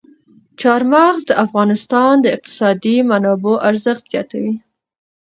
چار مغز د افغانستان د اقتصادي منابعو ارزښت زیاتوي.